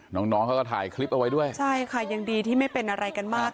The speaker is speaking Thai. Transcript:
น้องน้องเขาก็ถ่ายคลิปเอาไว้ด้วยใช่ค่ะยังดีที่ไม่เป็นอะไรกันมาก